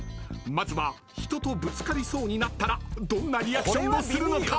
［まずは人とぶつかりそうになったらどんなリアクションをするのか？］